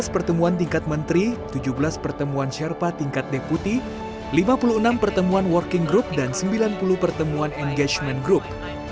dua belas pertemuan tingkat menteri tujuh belas pertemuan sherpa tingkat deputi lima puluh enam pertemuan working group dan sembilan puluh pertemuan engagement group